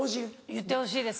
言ってほしいです